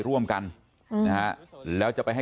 ม็อบข้างหน้าหรือม็อบนี้